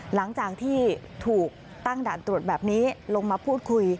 หลังจากที่ถูกตั้งด่านตรวจแบบนี้ลงมาพูดคุย